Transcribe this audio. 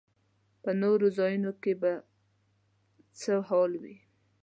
په نورو ځایونو کې به څه حال وي.